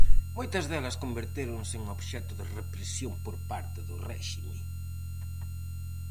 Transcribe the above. Moitas delas convertéronse en obxecto de represión por parte do réxime.